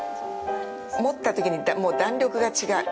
持ったときに、もう弾力が違う。